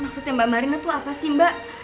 maksudnya mbak marina tuh apa sih mbak